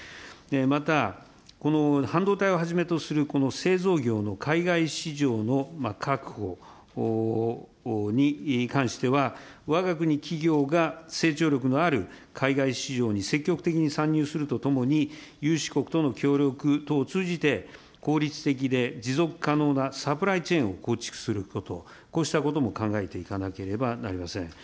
また、半導体をはじめとする製造業の海外市場の確保に関しては、わが国企業が成長力のある海外市場に積極的に参入するとともに、融資国との協力等を通じて、効率的で持続可能なサプライチェーンを構築すること、こうしたことも考えていかなければなりません。